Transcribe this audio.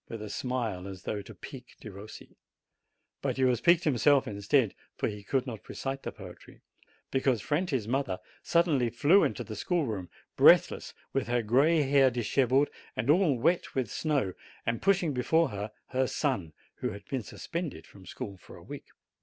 with a smile, as though to pique Derossi. But he was piqued himself, instead, for he could not recite the poetry, because Franti's mother suddenly flew into the schoolroom, breathless, with her gray hair dishevelled and all wet with snow, and pushing before her her son, who had been sus pended from school for a week.